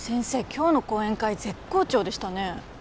今日の講演会絶好調でしたね